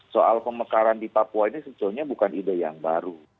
soal pemekaran di papua ini sebetulnya bukan ide yang baru